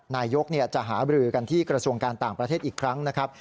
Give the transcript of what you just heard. นายกจะหาบรือกันที่กระทรวงการต่างประเทศอีกครั้งนะครับ